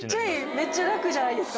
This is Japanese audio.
めっちゃ楽じゃないですか。